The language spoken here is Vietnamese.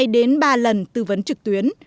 đến ba lần tư vấn trực tuyến